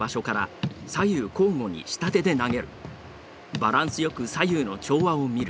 バランスよく左右の調和を見る。